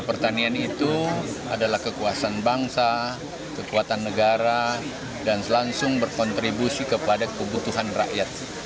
pertanian itu adalah kekuasaan bangsa kekuatan negara dan selangsung berkontribusi kepada kebutuhan rakyat